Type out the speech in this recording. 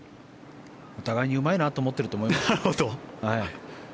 お互いにうまいなと思ってると思います。